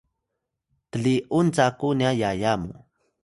tli’un caku nya yaya mu